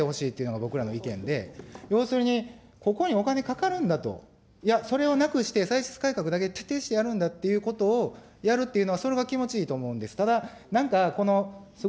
だから、なんか、こう、ずるいことしないでほしいというのが僕らの意見で、要するに、ここにお金かかるんだと、いや、それをなくして、歳出改革だけ徹底してやるんだっていうことをやるっていうのはそれが気持ちいいと思うんです。